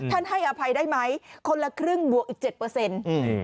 ท่านให้อภัยได้ไหมคนละครึ่งบวกอีก๗